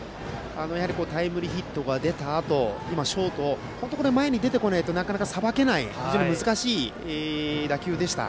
タイムリーヒットが出たあと今、ショートは前に出てこないとなかなかさばけない難しい打球でした。